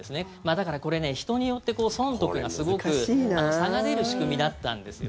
だからこれ、人によって損得がすごく差が出る仕組みだったんですよね。